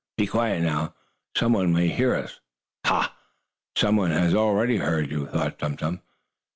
"Be quiet now, some one may hear us." "Ha! Some one has already heard you," thought Tum Tum.